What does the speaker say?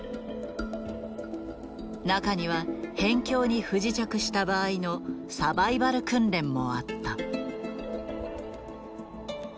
中には辺境に不時着した場合のサバイバル訓練もあった。